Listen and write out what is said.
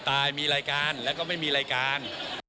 อยากทำให้ครับยังไม่รู้ครับ